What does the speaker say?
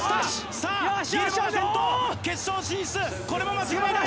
さあ、決勝進出、これは間違いない。